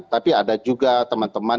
tapi ada juga teman teman